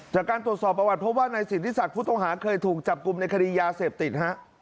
จากการตรวจสอบประวัติพบว่านายสิทธิศักดิ์ผู้ต้องหาเคยถูกจับกลุ่มในคดียาเสพติดฮะ